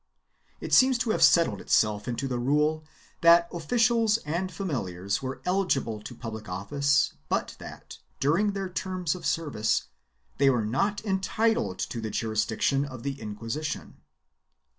It seems to have settled itself into the rule that officials and familiars were eligible to public office but that, during their terms of service, they were not entitled to the jurisdiction of the Inquisition.